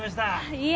いえ。